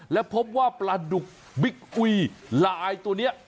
และพบว่าปลาดุกบิ๊กอุ้ยลายตัวนี้